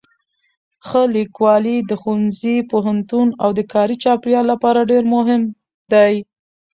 ښه لیکوالی د ښوونځي، پوهنتون او کاري چاپېریال لپاره ډېر مهم دی.